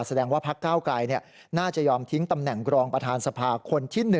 แสดงว่าพักเก้าไกลน่าจะยอมทิ้งตำแหน่งรองประธานสภาคนที่๑